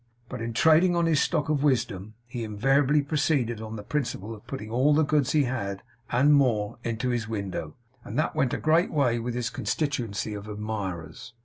But, in trading on his stock of wisdom, he invariably proceeded on the principle of putting all the goods he had (and more) into his window; and that went a great way with his constituency of admirers.